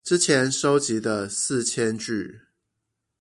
之前收集的四千句